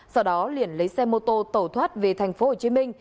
sau đó liền lấy xe mô tô tẩu thoát về tp hcm